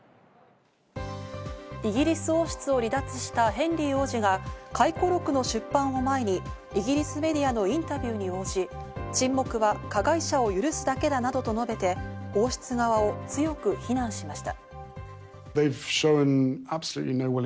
イギリス王室を離脱したヘンリー王子が回顧録の出版を前にイギリスメディアのインタビューに応じ、沈黙は加害者を許すだけだなどと述べ、王室側を強く非難しました。